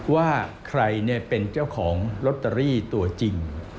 ว่าใครเป็นเจ้าของลอตเตอรี่ตัวจริง